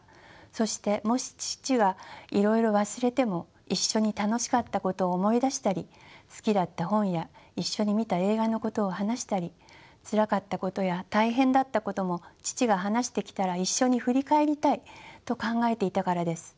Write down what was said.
そしてもし父はいろいろ忘れても一緒に楽しかったことを思い出したり好きだった本や一緒に見た映画のことを話したりつらかったことや大変だったことも父が話してきたら一緒に振り返りたいと考えていたからです。